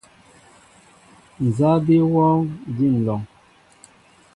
Nza bi wɔɔŋ, din lɔŋ ?